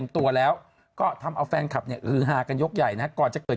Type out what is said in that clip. ตัวแล้วก็ทำเอาแฟนคลับเนี่ยฮือฮากันยกใหญ่นะก่อนจะเกิด